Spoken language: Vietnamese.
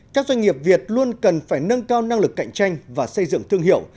các doanh nghiệp việt luôn cần phải nâng cao năng lực cạnh tranh và xây dựng thương hiệu